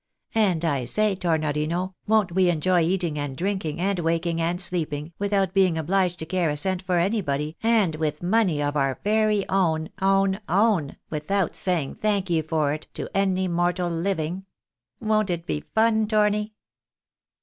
And, I say, Tornorino, won't we enjoy eating and drinking, and waking and sleeping, without being obliged to care a cent for any body, and with money of our very own, own, own, without saying thank ye for it, to any mortal hving ? Won't it be fun, Torni